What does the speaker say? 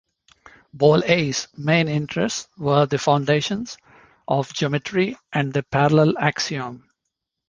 Bolyai's main interests were the foundations of geometry and the parallel axiom.